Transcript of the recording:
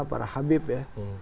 para habib ya